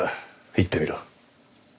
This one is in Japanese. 言ってみろ。